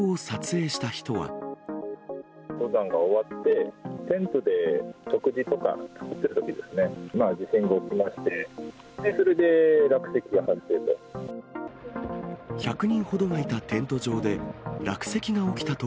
登山が終わって、テントで食事とか作っているときですね、地震が起きまして、それで落石が発生と。